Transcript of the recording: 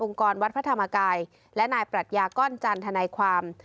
กรวัดพระธรรมกายและนายปรัชญาก้อนจันทนายความ